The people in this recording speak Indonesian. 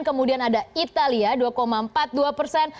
kemudian ada italia dua empat puluh dua persen